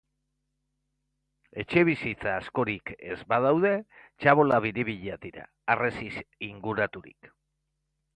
Etxebizitza askorik, ez badaude, txabola biribilak dira, harresiz inguraturik.